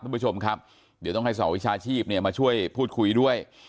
คุณผู้ชมครับเดี๋ยวต้องให้สาวิชาชีพเนี่ยมาช่วยพูดคุยด้วย